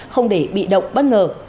không để bị động bất ngờ